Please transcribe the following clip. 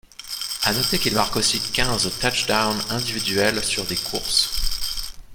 À noter qu'il marque aussi quinze touchdowns individuels sur des courses.